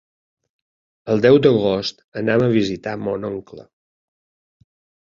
El deu d'agost anam a visitar mon oncle.